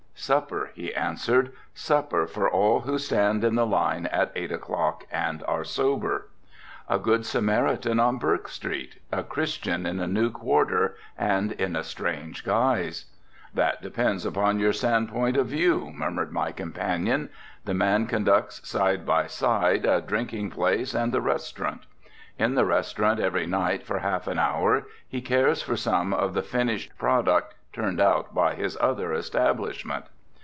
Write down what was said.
"Supper," he answered, "supper for all who stand in the line at eight o'clock and are sober." "A good Samaritan on Bourke street, a Christian in a new quarter and in a strange guise." "That depends upon your standpoint of view," murmured my companion. "The man conducts, side by side, a drinking place and the restaurant. In the restaurant, every night for half an hour he cares for some of the finished product turned out by his other establishment."